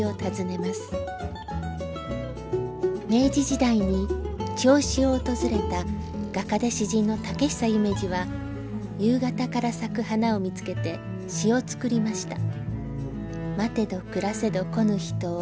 明治時代に銚子を訪れた画家で詩人の竹久夢二は夕方から咲く花を見つけて詩を作りました。